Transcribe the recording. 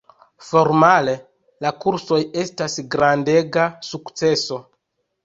Formale, la kursoj estas grandega sukceso.